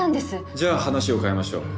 じゃあ話を変えましょう。